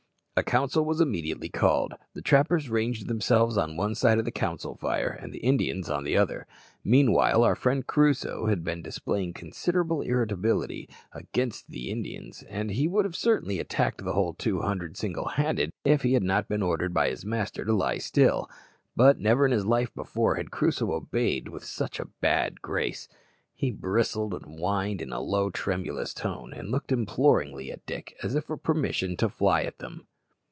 A council was immediately called. The trappers ranged themselves on one side of the council fire and the Indians on the other. Meanwhile, our friend Crusoe had been displaying considerable irritability against the Indians, and he would certainly have attacked the whole two hundred single handed if he had not been ordered by his master to lie still; but never in his life before had Crusoe obeyed with such a bad grace. He bristled and whined in a low tremulous tone, and looked imploringly at Dick as if for permission to fly at them.